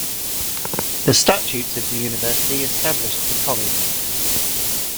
The statutes of the university established the college.